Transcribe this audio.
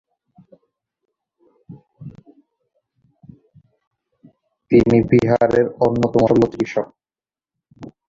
তিনি বিহারের অন্যতম সেরা শল্যচিকিৎসক।